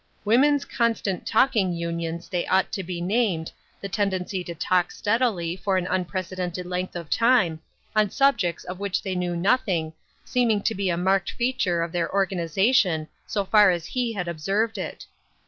" Women's Constant Talking Unions " they ought to be named, It •» W. C. T. U. 129 the tendency to talk steadily, for an unprecedented length of time, on subjects of which they knew nothing, seeming to be a marked feature of their organization, so far as he had observed it.